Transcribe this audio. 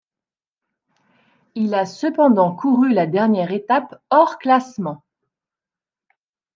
Il a cependant couru la dernière étape hors classement.